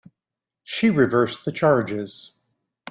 She reversed the charges.